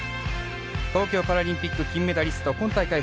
東京パラリンピック金メダリスト今大会